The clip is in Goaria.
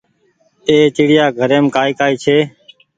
اي چڙيآ گهريم ڪآئي ڪآئي ڇي۔